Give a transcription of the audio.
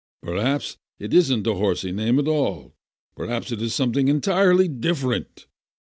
"Perhaps it isn't a horsey name at all? Perhaps it is something entirely different?"